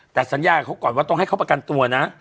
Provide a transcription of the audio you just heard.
แต่สัญญากับเขาก่อนว่าต้องให้เขาประกันตัวนะ